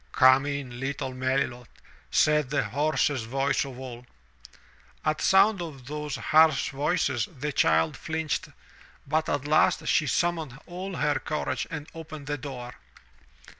"Come in, little Melilot," said the hoarsest voice of all. At sound of those harsh voices the child flinched, but at last she summoned all her courage and opened the door.